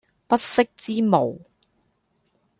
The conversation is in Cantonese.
不識之無